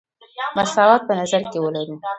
مساوات په نظر کې ولرو.